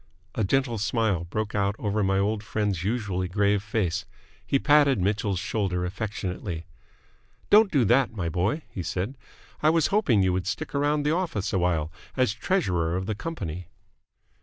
A gentle smile broke out over my old friend's usually grave face. He patted Mitchell's shoulder affectionately. "Don't do that, my boy," he said. "I was hoping you would stick around the office awhile as treasurer of the company."